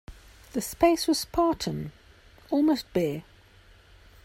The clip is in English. The space was spartan, almost bare.